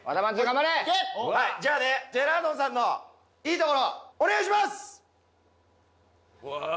じゃあねジェラードンさんのいいところお願いします！